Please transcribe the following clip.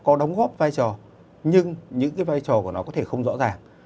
có đóng góp vai trò nhưng những cái vai trò của nó có thể không rõ ràng